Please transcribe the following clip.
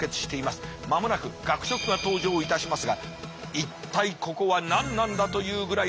間もなく学食が登場いたしますが一体ここは何なんだというぐらいの食堂。